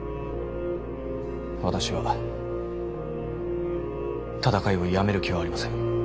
私は戦いをやめる気はありません。